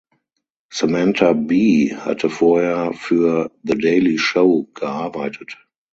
Samantha Bee hatte vorher für "The Daily Show" gearbeitet.